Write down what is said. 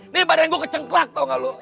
ini badan gue kecengklak tau gak lo